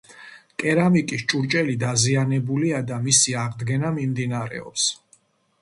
კერამიკის ჭურჭელი დაზიანებულია და მისი აღდგენა მიმდინარეობს.